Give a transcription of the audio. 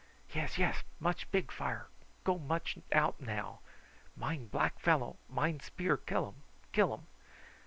"Yes, yes, much big fire; go much out now. Mind black fellow; mind spear killum, killum."